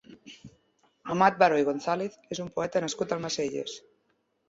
Amat Baró i Gonzàlez és un poeta nascut a Almacelles.